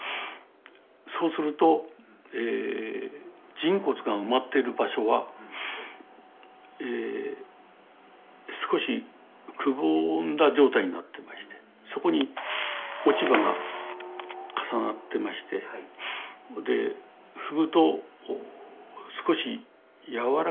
そうすると人骨が埋まっている場所は少しくぼんだ状態になってましてそこに落ち葉が重なってまして踏むと少し柔らかいんですね。